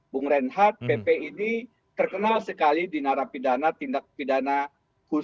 bung reinhardt pp ini terkenal sekali di narapidana tindak pidana khusus